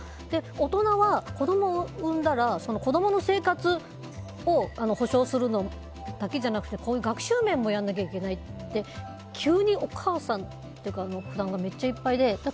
大人は、子供を産んだら子供の生活を保障するだけじゃなくて学習面もやらなきゃいけないって急にお母さんの負担がいっぱいで。